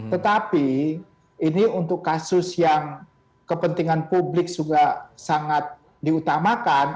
tetapi ini untuk kasus yang kepentingan publik juga sangat diutamakan